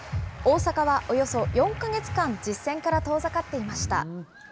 大坂はおよそ４か月間、実戦から遠ざかっていました。